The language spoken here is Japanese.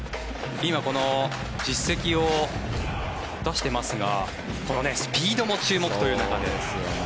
今、実績を出していますがこのスピードも注目という中で。